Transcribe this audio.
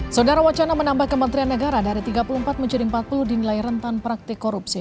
saudara wacana menambah kementerian negara dari tiga puluh empat menjadi empat puluh dinilai rentan praktik korupsi